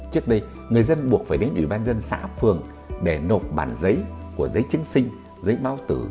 trước đây người dân buộc phải đến ủy ban dân xã phường để nộp bản giấy của giấy chứng sinh giấy báo tử